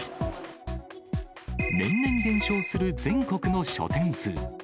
年々減少する全国の書店数。